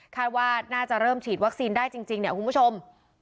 ว่าน่าจะเริ่มฉีดวัคซีนได้จริงเนี่ยคุณผู้ชม